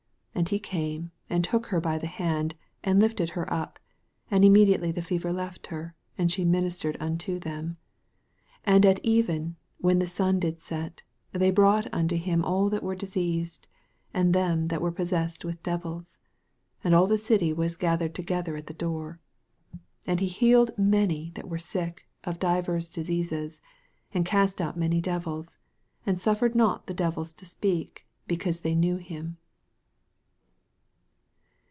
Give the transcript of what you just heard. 31 And he came and took her by the hand, and lifted her up ; and im mediately the fever left her, and she ministered unto them. 32 And at even, when the sun did set, they brought unto him all that were diseased, and them that were possessed with devils. 33 And all the city was gathered together at the door. 34 And he healed many that were sick of divers diseases, and cast out many devils ; and suffered not the devils to speak, because they knew him.